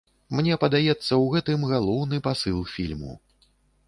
Мне падаецца, у гэтым галоўны пасыл фільму.